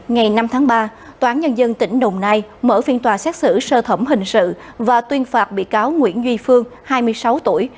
ngày năm tháng ba tòa án nhân dân tỉnh đồng nai mở phiên tòa xét xử sơ thẩm hình sự và tuyên phạt bị cáo nguyễn duy phương hai mươi sáu tuổi